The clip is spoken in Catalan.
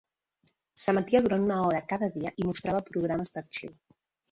S'emetia durant una hora cada dia i mostrava programes d'arxiu.